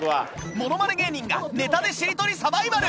ものまね芸人がネタでしりとりサバイバル！